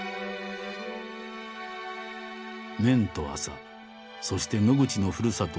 綿と麻そして野口のふるさと